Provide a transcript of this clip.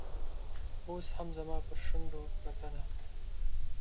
اوس هم زما پر شونډو پرته ده